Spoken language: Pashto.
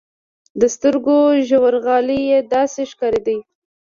د سترګو ژورغالي يې داسې ښکارېدې.